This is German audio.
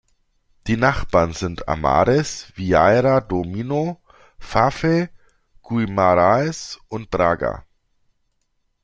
Die Nachbarn sind Amares, Vieira do Minho, Fafe, Guimarães und Braga.